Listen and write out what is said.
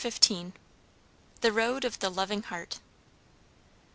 CHAPTER XV. "THE ROAD OF THE LOVING HEART."